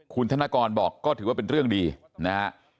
คุณธนกรบอกก็ถือว่าเป็นเรื่องดีนะฮะ